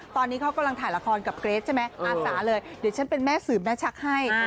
ตอนนี้เขากำลังถ่ายละครกับเกรทใช่ไหมอาสาเลยเดี๋ยวฉันเป็นแม่สืบแม่ชักให้